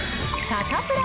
サタプラ。